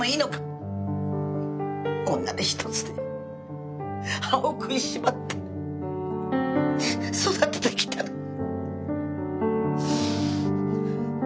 女手一つで歯を食いしばって育ててきたのに。